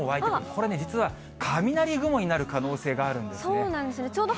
これね、実は雷雲になる可能性があるんですね。